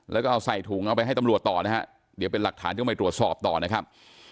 แล้วก็เอาใส่ถุงเอาไปให้ตำรวจต่อนะฮะเดี๋ยวเป็นหลักฐานต้องไปตรวจสอบต่อนะครับ